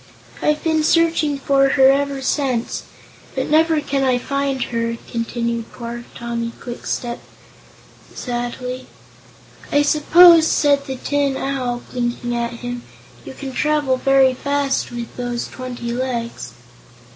I've been searching for her ever since, but never can I find her," continued poor Tommy Kwikstep, sadly. "I suppose," said the Tin Owl, blinking at him, "you can travel very fast, with those twenty legs."